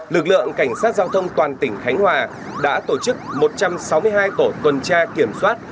lực lượng cảnh sát giao thông toàn tỉnh khánh hòa đã tổ chức một trăm sáu mươi hai tổ tuần tra kiểm soát